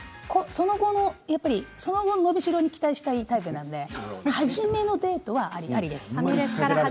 その後の伸びしろに期待したいタイプなので初めのデートは、ありです。